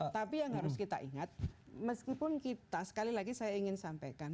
tapi yang harus kita ingat meskipun kita sekali lagi saya ingin sampaikan